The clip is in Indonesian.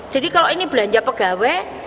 jadi kalau ini belanja pegawai